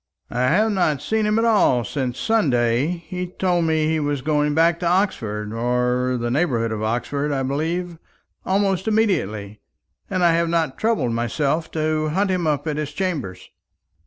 "I have not seen him at all since Sunday. He told me he was going back to Oxford or the neighbourhood of Oxford, I believe almost immediately; and I have not troubled myself to hunt him up at his chambers."